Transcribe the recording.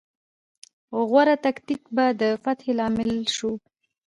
خو غوره تکتیک به د فتحې لامل شو.